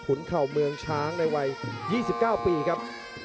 เข่าเมืองช้างในวัย๒๙ปีครับ